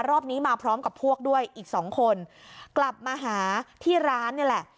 รอบนี้มาพร้อมกับพวกด้วยอีกสองคนกลับมาหาที่ร้านนี่แหละ